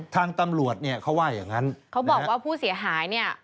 ทางตำรวจเขาว่าอย่างนั้นเขาบอกว่าผู้เสียหาย